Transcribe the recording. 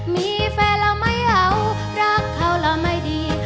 มีแฟนแล้วไม่เอารักเขาแล้วไม่ดี